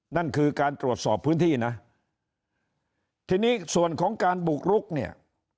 นั่นคือการตรวจสอบพื้นที่นะทีนี้ส่วนของการบุกรุกเนี่ย